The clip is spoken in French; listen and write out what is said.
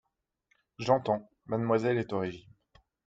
J'entends : mademoiselle est au régime.